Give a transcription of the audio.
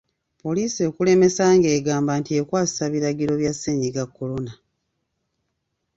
Poliisi ekulemesa ng'egamba nti ekwasisa biragiro bya Ssennyiga Corona.